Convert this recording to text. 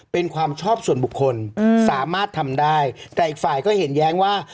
เป็นความชอบส่วนบุคคลสามารถทำได้แต่อีกฝ่ายก็เห็นแย้งว่า